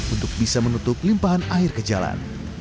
untuk bisa menutup limpahan air ke jalan